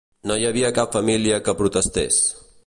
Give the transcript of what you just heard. No hi havia cap família que protestés.